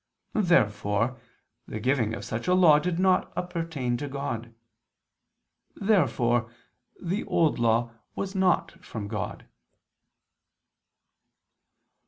Therefore the giving of such a law did not appertain to God. Therefore the Old Law was not from God.